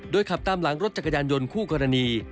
ขับตามหลังรถจักรยานยนต์คู่กรณี